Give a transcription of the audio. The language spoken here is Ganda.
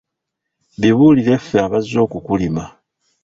Bibulire ffe abazze okukulima.